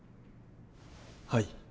はい。